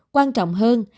quan trọng hơn